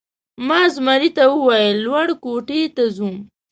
ما زمري ته وویل: لوړ کوټې ته ځو؟